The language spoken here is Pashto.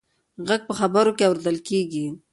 غږ په خبرو کې اورېدل کېږي.